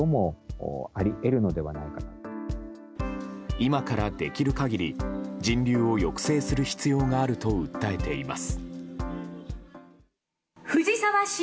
今から、できる限り人流を抑制する必要があると訴えています。